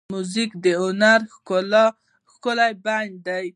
موزیک د هنر ښکلې بڼه ده.